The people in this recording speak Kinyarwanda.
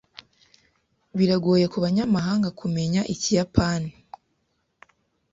Biragoye kubanyamahanga kumenya ikiyapani.